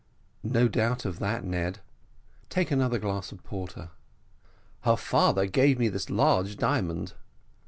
"No doubt of that, Ned take another glass of porter." "Her father gave me this large diamond."